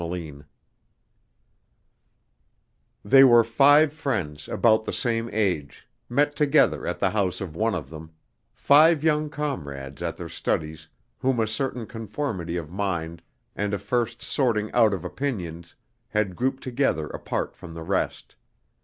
THEY were five friends about the same age, met together at the house of one of them, five young comrades at their studies whom a certain conformity of mind and a first sorting out of opinions had grouped together apart from the rest.